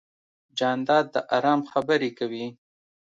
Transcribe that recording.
جانداد د ارام خبرې کوي.